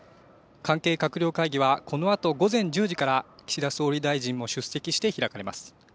関係閣僚会議は、このあと午前１０時から岸田総理大臣も出席して開かれます。